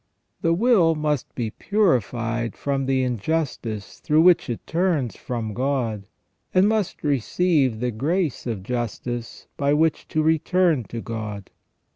The will must be purified from the injustice through which it turns from God, and must receive the grace of justice by which to return to God.